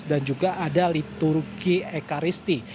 dan juga ada liturgi ekaristi